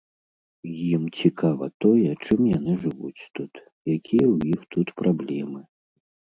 Ім цікава тое, чым яны жывуць тут, якія ў іх тут праблемы.